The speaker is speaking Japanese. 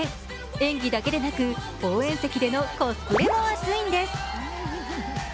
演技だけでなく応援席でのコスプレも熱いんです。